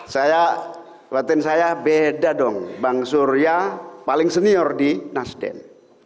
saya batin saya beda dong bang surya paling senior di nasdem